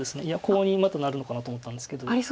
いやコウにまたなるのかなと思ったんですけど。